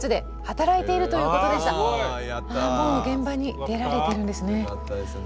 もう現場に出られてるんですね。